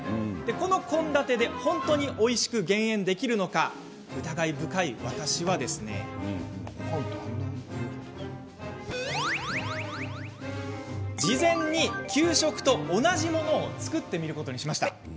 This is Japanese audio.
この献立で、本当においしく減塩できるのか疑い深い私は事前に、給食と同じものを作ってみることに。